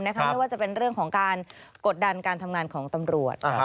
ไม่ว่าจะเป็นเรื่องของการกดดันการทำงานของตำรวจ